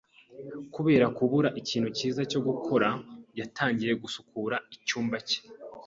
Kubera kubura ikintu cyiza cyo gukora, yatangiye gusukura icyumba cye.